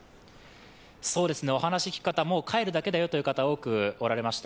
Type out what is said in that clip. お話を聞く方は、もう帰るだけだよという方が多く見られました。